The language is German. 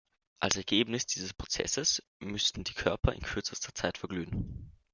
Als Ergebnis dieses Prozesses müssten die Körper in kürzester Zeit verglühen.